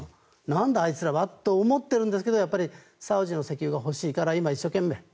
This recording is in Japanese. なんだあいつらはと思ってるんですがやっぱりサウジの石油が欲しいから今、一生懸命。